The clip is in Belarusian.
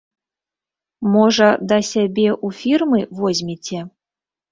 Можа, да сябе ў фірмы возьмеце?